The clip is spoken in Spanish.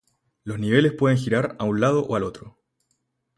Los niveles pueden girar a un lado o al otro.